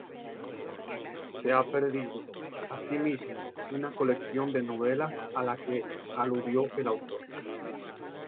Se ha perdido, asimismo, una colección de novelas a la que aludió el autor.